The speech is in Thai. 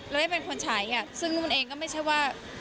แล้วได้เป็นคนใช้ซึ่งนุ่นเองก็ไม่ใช่ว่า